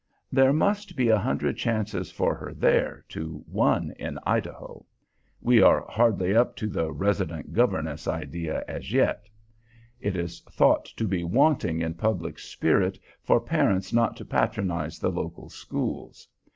There must be a hundred chances for her there to one in Idaho. We are hardly up to the resident governess idea as yet. It is thought to be wanting in public spirit for parents not to patronize the local schools.